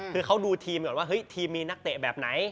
คือเขาดูทีมอย่างน้อยว่าทีมมีนักเตะแบบไหน